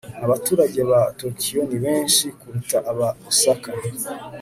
Abaturage ba Tokiyo ni benshi kuruta aba Osaka